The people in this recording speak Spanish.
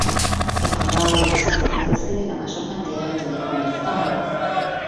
El condado de Los Ángeles recibe la mayor cantidad de turismo en el estado.